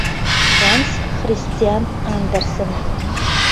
Ганс Христиан АНДЕРСЕН